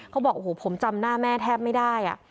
เขาบอกโอ้โหผมจำหน้าแม่แทบไม่ได้